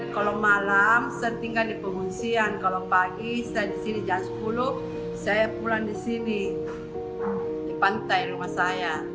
kalau malam saya tinggal di pengungsian kalau pagi saya di sini jam sepuluh saya pulang di sini di pantai rumah saya